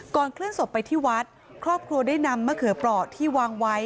เคลื่อนศพไปที่วัดครอบครัวได้นำมะเขือเปราะที่วางไว้